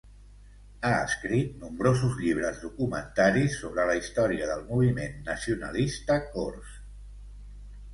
Ha escrit nombrosos llibres documentaris sobre la història del moviment nacionalista cors.